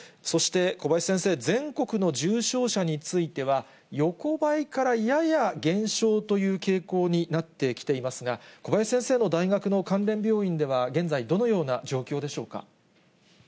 そして、小林先生、全国の重症者については、横ばいからやや減少という傾向になってきていますが、小林先生の大学の関連病院では、現在、どのような状況でしょうか。